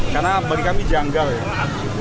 karena bagi kami janggal ya